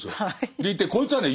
でいてこいつはね